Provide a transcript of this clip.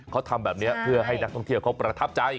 เขาทำแบบนี้เพื่อให้นักท่องเที่ยวเขาประทับใจ